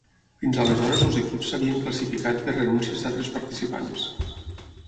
Fins aleshores els equips s'havien classificat per renúncies d'altres participants.